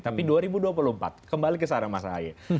tapi dua ribu dua puluh empat kembali ke sarah mas ahaye